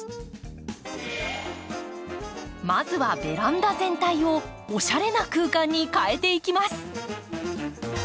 まずはベランダ全体をおしゃれな空間に変えていきます。